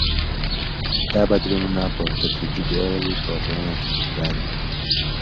دا بدلونونه په تدريجي ډول په ټولنه کي ښکاري.